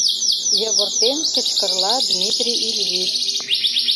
— йывыртен кычкырла Дмитрий Ильич.